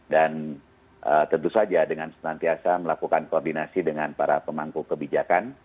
dan tentu saja dengan senantiasa melakukan koordinasi dengan para pemangku kebijakan